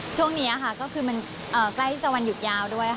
ช่วงนี้ค่ะก็คือมันใกล้จะวันหยุดยาวด้วยค่ะ